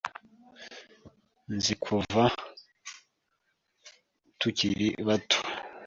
Nzi kuva tukiri bato.